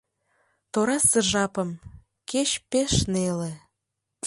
Торасе жапым, кеч пеш неле.